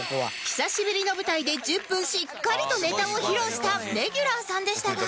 久しぶりの舞台で１０分しっかりとネタを披露したレギュラーさんでしたが